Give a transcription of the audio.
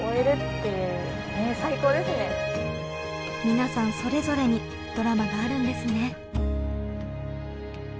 皆さんそれぞれにドラマがあるんですね。